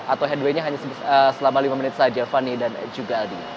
atau headway nya hanya selama lima menit saja fani dan juga aldi